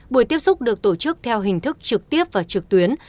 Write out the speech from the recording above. buổi tiếp xúc được tổ chức theo hình thức trực tiếp và trực tuyến